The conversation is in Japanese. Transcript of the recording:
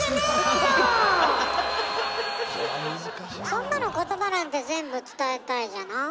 そんなの言葉なんて全部伝えたいじゃない。